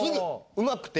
うまくて。